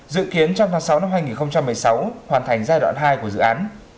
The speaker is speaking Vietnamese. dự kiến trong tháng sáu năm hai nghìn một mươi sáu hoàn thành giai đoạn hai của dự án